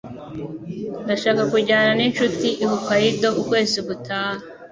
Ndashaka kujyana ninshuti i Hokkaido ukwezi gutaha.